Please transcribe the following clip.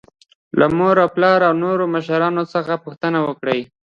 له مور او پلار او نورو مشرانو څخه پوښتنه وکړئ.